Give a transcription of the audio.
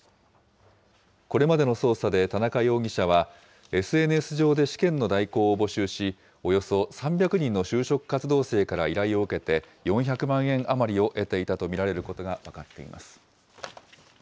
これまでの捜査で田中容疑者は、ＳＮＳ上で試験の代行を募集し、およそ３００人の就職活動生から依頼を受けて、４００万円余りを得ていたと見られることが分かっています。